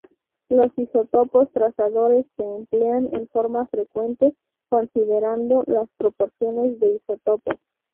Los isótopos trazadores se emplean en forma frecuente considerando las proporciones de isótopos.